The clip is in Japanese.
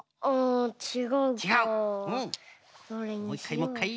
もういっかいもういっかい。